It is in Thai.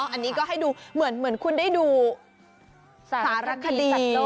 อันนี้ก็ให้ดูเหมือนคุณได้ดูสารคดี